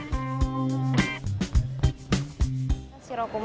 siapa yang menarik dari keadaan shirokuma